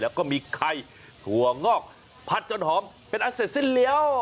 แล้วก็มีไข่ถั่วงอกผัดจนหอมเป็นอันเสร็จสิ้นเลี้ยว